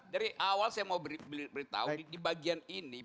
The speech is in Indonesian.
dari awal saya mau beritahu di bagian ini